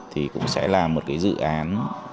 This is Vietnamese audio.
thì cũng sẽ là một cái dự án